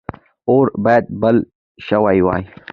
اور باید بل شوی وای.